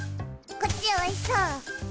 こっちおいしそう！